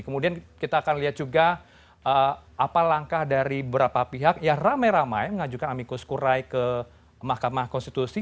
kemudian kita akan lihat juga apa langkah dari beberapa pihak yang ramai ramai mengajukan amikus kurai ke mahkamah konstitusi